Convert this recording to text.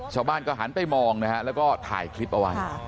ชาวบ้านก็หันไปมองนะฮะแล้วก็ถ่ายคลิปเอาไว้